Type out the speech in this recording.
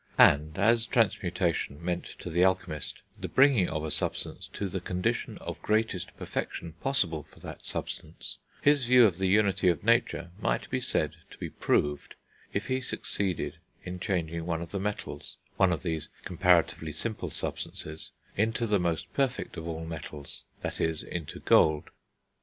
And, as transmutation meant, to the alchemist, the bringing of a substance to the condition of greatest perfection possible for that substance, his view of the unity of nature might be said to be proved if he succeeded in changing one of the metals, one of these comparatively simple substances, into the most perfect of all metals, that is, into gold.